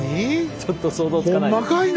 ちょっと想像つかないです。